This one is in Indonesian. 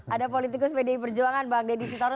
ada politikus bd perjuangan bang deddy sitaru